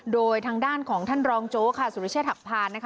โดยทางด้านของท่านรองโจ๊กค่ะสุรเชษฐหักพานนะคะ